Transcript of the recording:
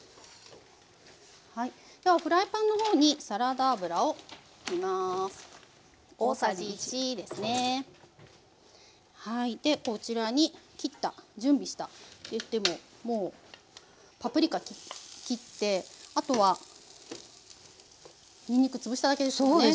ではフライパンの方にでこちらに切った準備したって言ってももうパプリカ切ってあとはにんにく潰しただけですもんね。